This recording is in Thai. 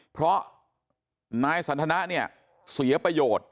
เพราะนายสันทนาเสียประโยชน์